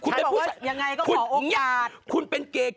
ยังไงก็ขอโอกาส